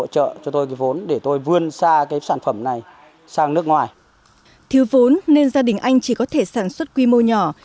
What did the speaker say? thiếu vốn nên gia đình anh chỉ có thể sản xuất quy mô nhỏ